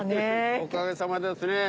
おかげさまですね。